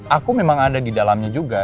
aku memang ada di dalamnya juga